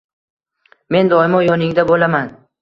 Men doimo yoningda bo‘laman.